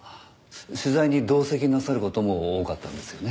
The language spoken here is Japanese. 取材に同席なさる事も多かったんですよね？